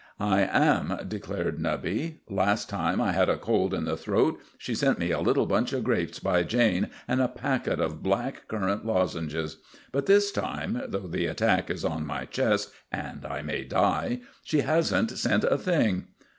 "I am," declared Nubby. "Last time I had a cold in the throat she sent me a little bunch of grapes by Jane, and a packet of black currant lozenges; but this time, though the attack is on my chest, and I may die, she hasn't sent a thing."